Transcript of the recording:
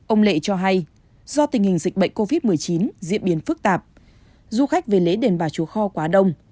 ông lệ cho hay do tình hình dịch bệnh covid một mươi chín diễn biến phức tạp du khách về lễ đền bà chúa kho quá đông